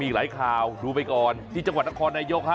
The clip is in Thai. อีกหลายข่าวดูไปก่อนที่จังหวัดนครนายกฮะ